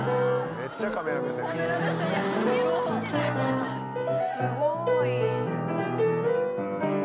めっちゃカメラ目線。すごい！